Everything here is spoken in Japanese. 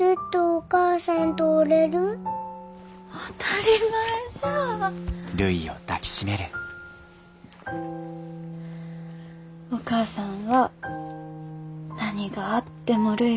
お母さんは何があってもるいを離さん。